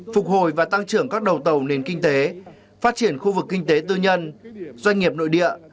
phục hồi và tăng trưởng các đầu tàu nền kinh tế phát triển khu vực kinh tế tư nhân doanh nghiệp nội địa